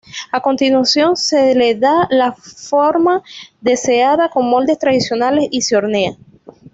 A continuación se le da la forma deseada con moldes tradicionales y se hornea.